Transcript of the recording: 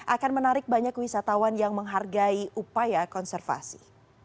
akan menarik banyak wisatawan yang menghargai upaya konservasi